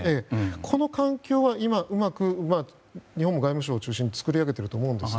この環境は今うまく日本外務省を中心に作り上げていると思いますが。